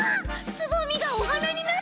つぼみがおはなになった！